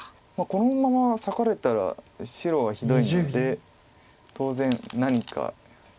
このまま裂かれたら白はひどいので当然何か。